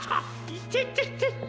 いてててて。